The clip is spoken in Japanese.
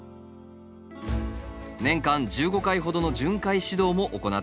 年間１５回ほどの巡回指導も行っています。